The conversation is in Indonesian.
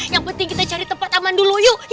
yang penting kita cari tempat aman dulu yuk